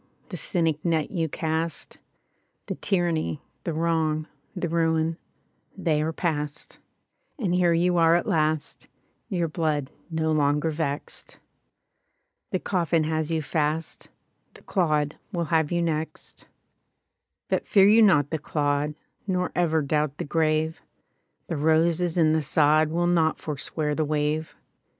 The cynic net you cast, The tyranny, the wrong, The ruin, ihey are past; And here you are at last, Your blood no longer vexed. The co£Sn has you fast. The clod will have you next. E68| But fear you not the clod, Nor ever doubt the grave: The roses and the sod Will not forswear the wave.